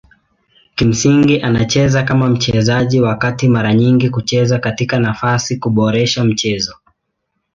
Kimsingi anacheza kama mchezaji wa kati mara nyingi kucheza katika nafasi kuboresha mchezo.